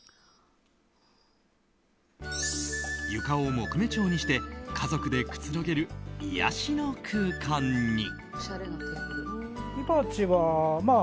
床を木目調にして家族でくつろげる癒やしの空間に。